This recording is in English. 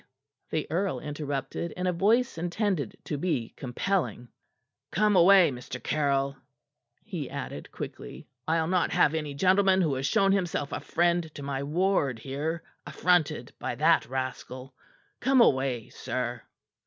the earl interrupted in a voice intended to be compelling. "Come away, Mr. Caryll," he added quickly. "I'll not have any gentleman who has shown himself a friend to my ward, here, affronted by that rascal. Come away, sir!"